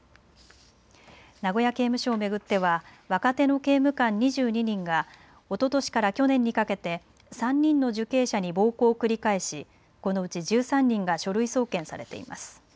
名古屋刑務所を巡っては若手の刑務官２２人がおととしから去年にかけて３人の受刑者に暴行を繰り返しこのうち１３人が書類送検されています。